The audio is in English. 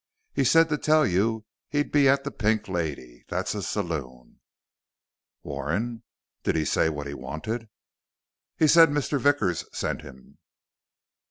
He said to tell you he'd be at the Pink Lady. That's a saloon." "Warren? Did he say what he wanted?" "He said Mr. Vickers' sent him."